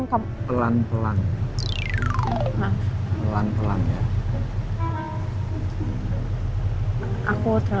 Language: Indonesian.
aku terlalu bersemangat soalnya